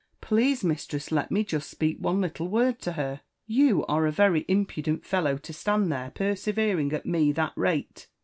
Please, mistress, let me jeSt speak one little word to her." *' You are a very impudent fellow to stand there persevering at me that rate.